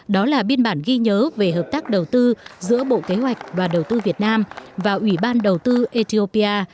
đó là biên bản ghi nhớ về hợp tác đầu tư giữa bộ kế hoạch và đầu tư việt nam và ủy ban đầu tư ethiopia